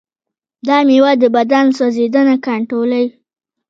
دا مېوه د بدن سوځیدنه کنټرولوي.